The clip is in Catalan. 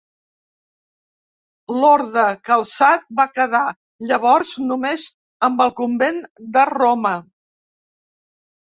L'orde calçat va quedar, llavors, només amb el convent de Roma.